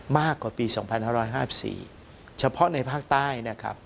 มากกว่าปี๒๕๕๔เฉพาะในภาคใต้